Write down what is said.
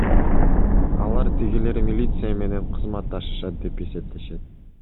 Алар тигилер милиция менен кызматташышат деп эсептешет.